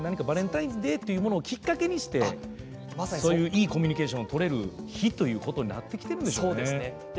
バレンタインデーというものをきっかけにしてそういういいコミュニケーションを取れる日ということになってきているんでしょうね。